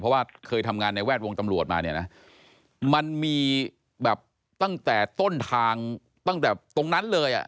เพราะว่าเคยทำงานในแวดวงตำรวจมาเนี่ยนะมันมีแบบตั้งแต่ต้นทางตั้งแต่ตรงนั้นเลยอ่ะ